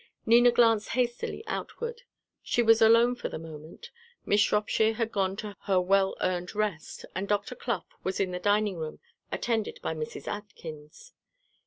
Nina glanced hastily outward. She was alone for the moment. Miss Shropshire had gone to her well earned rest, and Dr. Clough was in the dining room, attended by Mrs. Atkins.